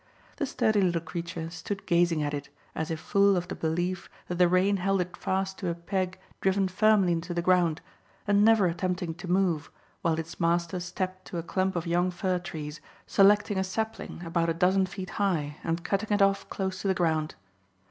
The sturdy little creature stood gazing at it, as if full of the belief that the rein held it fast to a peg driven firmly into the ground, and never attempting to move, while its master stepped to a clump of young fir trees, selecting a sapling about a dozen feet high and cutting it off close to the ground.